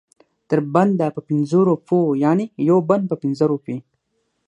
تر بنده په پنځو روپو یعنې یو بند په پنځه روپۍ.